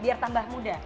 biar tambah muda